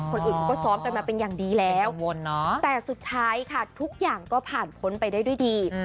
คนอื่นเขาก็ซ้อมกันมาเป็นอย่างดีแล้วแต่สุดท้ายค่ะทุกอย่างก็ผ่านพ้นไปได้ด้วยดี